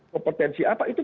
kompetensi apa itu